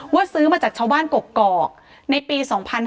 ซื้อมาจากชาวบ้านกกอกในปี๒๕๕๙